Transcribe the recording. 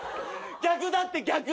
逆だって逆！